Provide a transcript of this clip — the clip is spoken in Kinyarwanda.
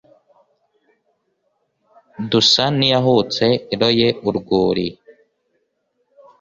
Dusa n' iyahutse iroye urwuri,